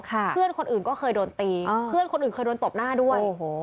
เพื่อนคนอื่นก็เคยโดนตีเพื่อนคนอื่นเคยโดนตบหน้าด้วย